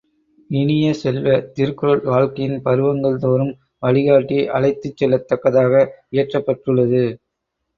இனிய செல்வ, திருக்குறள் வாழ்க்கையின் பருவங்கள் தோறும் வழிகாட்டி அழைத்துச் செல்லத் தக்கதாக இயற்றப் பெற்றுள்ளது.